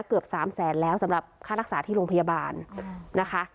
เกือบ๓แสนแล้วสำหรับค่ารักษาที่โรงพยาบาลนะคะ